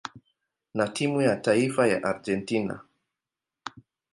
na timu ya taifa ya Argentina.